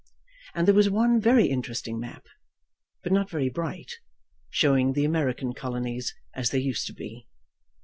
And there was one very interesting map, but not very bright, showing the American colonies, as they used to be.